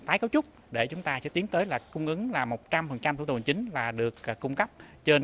tái cấu trúc để chúng ta sẽ tiến tới là cung ứng là một trăm linh thủ tục hành chính là được cung cấp trên